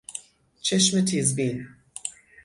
چشم تیزبین